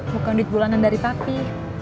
bukan duit bulanan dari papi